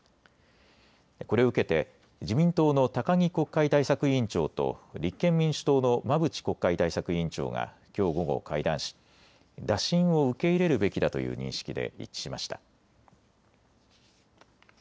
これを受けて自民党の高木国会対策委員長と立憲民主党の馬淵国会対策委員長がきょう午後、会談し打診を受け入れるべきだという認識で一致しました。